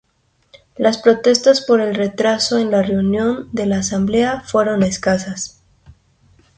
Las protestas por el retraso en la reunión de la asamblea fueron escasas.